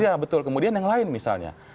iya betul kemudian yang lain misalnya